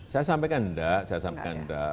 saya sampaikan enggak